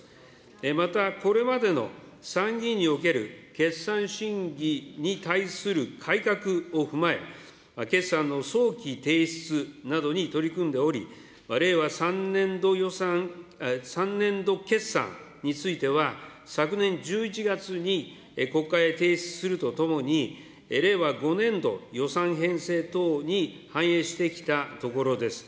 またこれまでの参議院における決算審議に対する改革を踏まえ、決算の早期提出などに取り組んでおり、令和３年度決算については、昨年１１月に国会へ提出するとともに、令和５年度予算編成等に反映してきたところです。